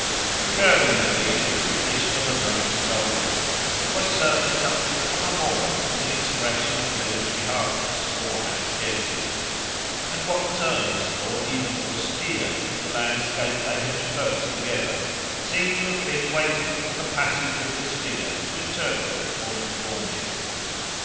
Concurring, indeed, with the condition of a Roman soldier, it was certainly something far more than the expression of military hardness, or ascêsis; and what was earnest, or even austere, in the landscape they had traversed together, seemed to have been waiting for the passage of this figure to interpret or inform it.